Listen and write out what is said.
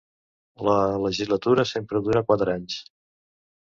La llegislatura sempre dura quatre anys.